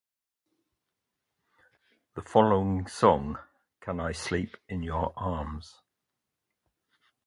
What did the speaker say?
The following song, Can I Sleep in Your Arms?